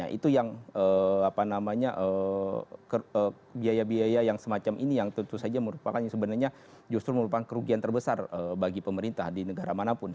nah itu yang apa namanya biaya biaya yang semacam ini yang tentu saja merupakan yang sebenarnya justru merupakan kerugian terbesar bagi pemerintah di negara manapun